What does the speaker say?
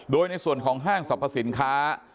โดยในส่วนของห้างสรรพสินค้า